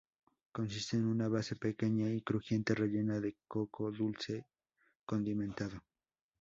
Consiste en una base pequeña y crujiente rellena de coco dulce condimentado.